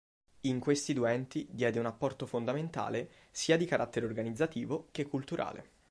In questi due enti diede un apporto fondamentale sia di carattere organizzativo che culturale.